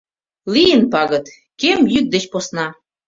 Лийын пагыт: кем йӱк деч посна